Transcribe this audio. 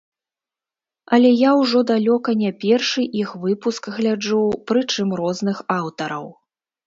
Але я ўжо далёка не першы іх выпуск гляджу, прычым розных аўтараў.